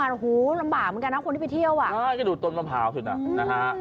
โอ้โหลำบากเหมือนกันนะคนที่ไปเที่ยวอ่ะใช่ก็ดูต้นมะพร้าวสุดอ่ะนะฮะ